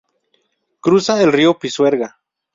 Cruza el río Pisuerga.